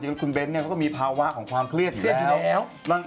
จริงคุณเบ้นเขาก็มีภาวะของความเครียดอยู่แล้ว